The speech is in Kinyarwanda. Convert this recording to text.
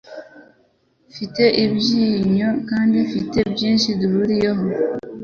Mfite ibyiyumvo kandi mfite byinshi duhuriyeho.